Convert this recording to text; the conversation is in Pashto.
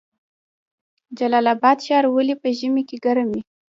جلال اباد ښار ولې په ژمي کې ګرم وي؟